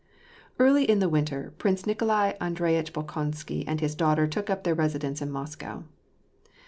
Eably in the winter, Prince Nikolai Andreyitch Bolkonsky and his daughter took up their residence in Moscow.